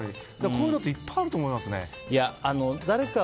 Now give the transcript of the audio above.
こういうのはいっぱいあると思いますね。